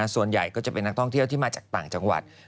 ส่วนใหญ่ก็จะเป็นนักท่องเที่ยวที่มาจากต่างจังหวัด